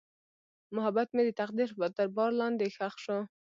محبت مې د تقدیر تر بار لاندې ښخ شو.